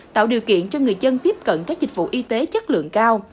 tạo điều kiện cho người dân tiếp cận các dịch vụ y tế chất lượng cao